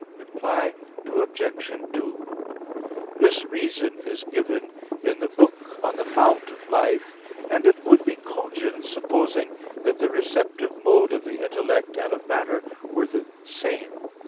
Reply Obj. 2: This reason is given in the book on the Fount of Life, and it would be cogent, supposing that the receptive mode of the intellect and of matter were the same.